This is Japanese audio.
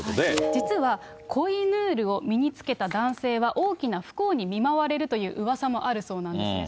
実はコ・イ・ヌールを身に着けた男性は大きな不幸に見舞われるといううわさもあるそうなんですね。